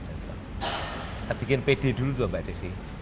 saya bikin pede dulu itu mbak desi